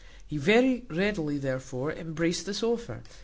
He very readily, therefore, embraced this offer.